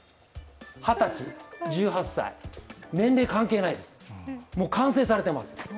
２０歳、１８歳、年齢関係ないです、完成されてます。